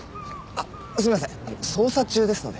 あっすいません捜査中ですので。